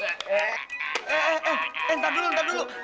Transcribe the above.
eh eh eh entar dulu entar dulu